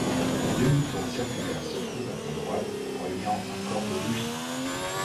Une demi-tour circulaire se trouve à sa droite reliant un corps de logis.